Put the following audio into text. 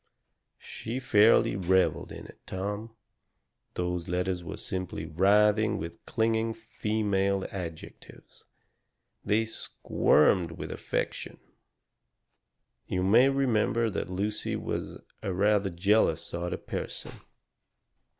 She fairly revelled in it, Tom. Those letters were simply writhing with clinging female adjectives. They SQUIRMED with affection. "You may remember that Lucy was a rather jealous sort of a person.